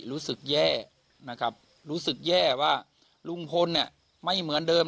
รู้สึกแย่นะครับรู้สึกแย่ว่าลุงพลเนี่ยไม่เหมือนเดิม